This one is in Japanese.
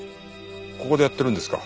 ここでやってるんですか？